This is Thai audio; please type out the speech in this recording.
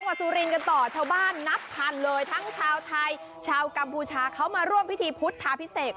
สุรินทร์กันต่อชาวบ้านนับพันเลยทั้งชาวไทยชาวกัมพูชาเขามาร่วมพิธีพุทธาพิเศษ